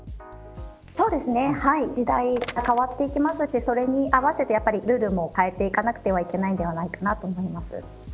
時代は変わっていきますしそれに合わせてルールも変えていかなくてはいけないんではないかと思います。